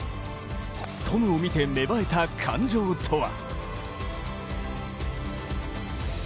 トムを見て芽生えた感情とは。